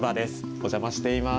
お邪魔しています。